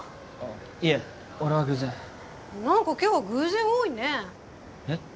いえ俺は偶然何か今日は偶然多いねえっ？